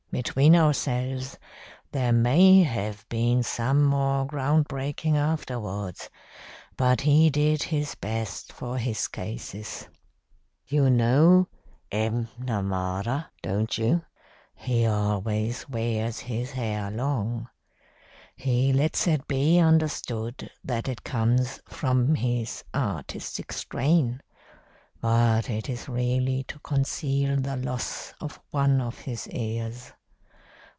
Between ourselves, there may have been some more ground breaking afterwards, but he did his best for his cases. You know M'Namara, don't you? He always wears his hair long. He lets it be understood that it comes from his artistic strain, but it is really to conceal the loss of one of his ears.